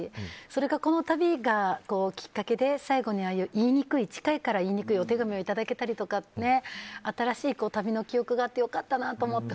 それがこの旅がきっかけで最後に近いから言いにくいお手紙をいただけたりとか新しい旅の記憶があって良かったなと思って。